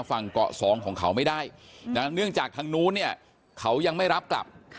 ฝั่งเกาะสองของเขาไม่ได้นะเนื่องจากทางนู้นเนี่ยเขายังไม่รับกลับ